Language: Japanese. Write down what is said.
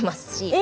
え？